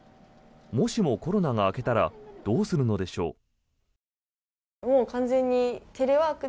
もしもコロナが明けたらどうするのでしょう。